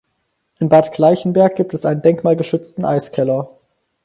In Bad Gleichenberg gibt es einen denkmalgeschützten Eiskeller.